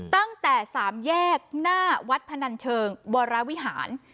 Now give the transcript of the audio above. ตั้งแต่๓แยกหน้าวัดพนันเชิงวรวิหาร